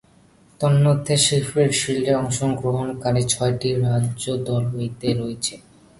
তন্মধ্যে শেফিল্ড শীল্ডে অংশগ্রহণকারী ছয়টি রাজ্য দলও এতে রয়েছে।